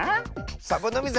サボノミズ